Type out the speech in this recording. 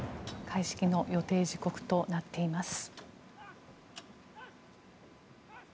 開式の予定時刻となっています。